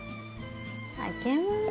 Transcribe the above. あけます。